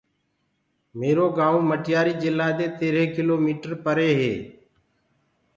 ميرو گائونٚ مٽياري جِلا دي تيرهي ڪِلو ميٽر پري هي۔